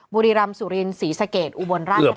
บุรีรำสุรินศรีสะเกดอุบลราชธา